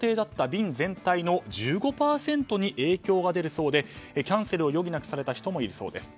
便全体の１５％に影響が出るそうでキャンセルを余儀なくされた人もいるそうです。